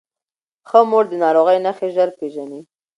ښه مور د ناروغۍ نښې ژر پیژني.